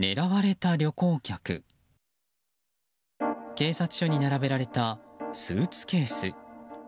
警察署に並べられたスーツケース。